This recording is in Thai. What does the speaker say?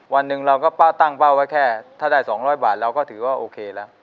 วันหนึ่งเราก็ตั้งเป้าไว้แค่ถ้าได้๒๐๐บาทเราก็ถือว่าโอเคแล้ว